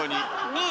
ねえ。